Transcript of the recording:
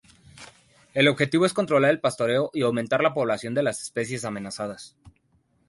El objetivo es controlar el pastoreo, y aumentar la población de las especies amenazadas.